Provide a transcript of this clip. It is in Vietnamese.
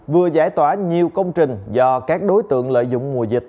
vừa giải tỏa nhiều công trình do các đối tượng lợi dụng mùa dịch